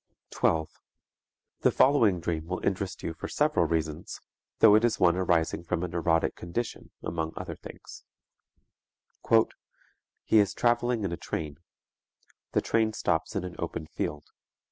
The following dream will interest you for several reasons, though it is one arising from a neurotic condition among other things: "_He is traveling in a train. The train stops in an open field.